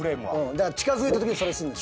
だから近づいた時にそれすんねん。